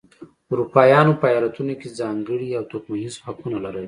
اروپایانو په ایالتونو کې ځانګړي او توکمیز حقونه لرل.